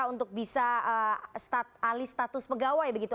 untuk bisa alih status pegawai begitu